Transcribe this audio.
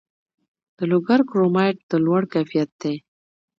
د لوګر کرومایټ د لوړ کیفیت دی